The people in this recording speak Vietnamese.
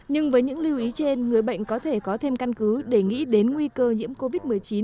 nhưng với những lưu ý trên người bệnh có thể có thêm căn cứ để nghĩ đến nguy cơ nhiễm covid một mươi chín